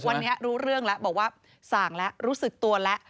วันนี้รู้เรื่องแล้วบอกว่าสั่งแล้วรู้สึกตัวแล้ว